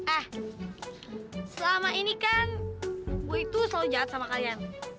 eh selama ini kan witu selalu jahat sama kalian